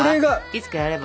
いつかやれば？